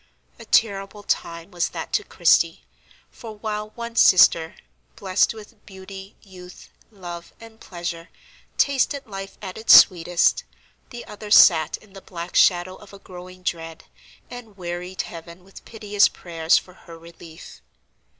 A terrible time was that to Christie; for, while one sister, blessed with beauty, youth, love, and pleasure, tasted life at its sweetest, the other sat in the black shadow of a growing dread, and wearied Heaven with piteous prayers for her relief.